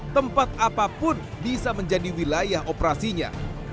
tempat apapun bisa menjadi wilayah operasinya